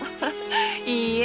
いいえ。